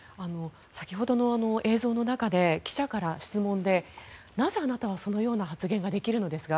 先ほどの映像の中で記者からの質問でなぜ、あなたはそのような発言ができるのですか？